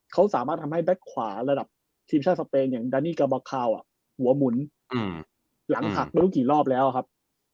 เขาสามารถทำให้แบ็คขวาระดับทีมชาติสเปนอย่างดานี่กาบาคาวหัวหมุนหลังหักไม่รู้กี่รอบแล้วครับ